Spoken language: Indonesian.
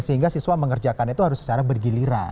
sehingga siswa mengerjakan itu harus secara bergiliran